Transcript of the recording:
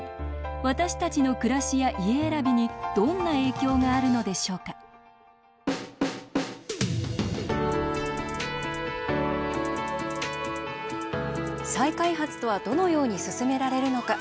私たちの暮らしや家選びにどんな影響があるのでしょうか再開発とはどのように進められるのか。